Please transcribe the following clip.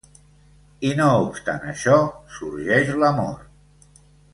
I no obstant això, sorgeix l'amor.